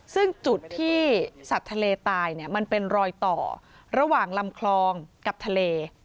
ซึ่งจุดที่สัตว์ทะเลตายเนี่ยมันเป็นรอยต่อระหว่างลำคลองกับทะเล